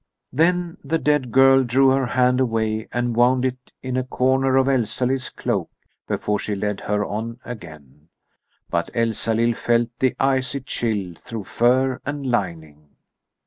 Then the dead girl drew her hand away and wound it in a corner of Elsalill's cloak before she led her on again. But Elsalill felt the icy chill through fur and lining.